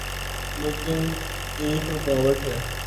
لیکن ایک رکاوٹ ہے۔